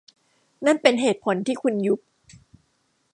นั่นเป็นเหตุผลที่คุณยุบ